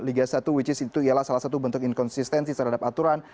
liga satu which is itu ialah salah satu bentuk inkonsistensi terhadap aturan